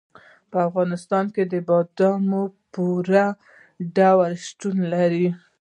په افغانستان کې بادام په پوره ډول شتون لري.